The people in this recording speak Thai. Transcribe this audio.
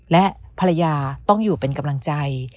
และภรรยาต้องอยู่เป็นกำลังใจ